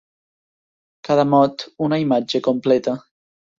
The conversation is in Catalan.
Cada mot, una imatge completa.